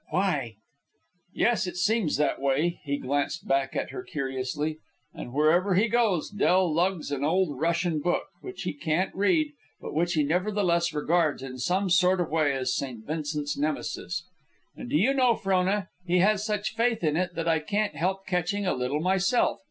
"Why?" "Yes, it seems that way." He glanced back at her curiously. "And wherever he goes, Del lugs an old Russian book, which he can't read but which he nevertheless regards, in some sort of way, as St. Vincent's Nemesis. And do you know, Frona, he has such faith in it that I can't help catching a little myself.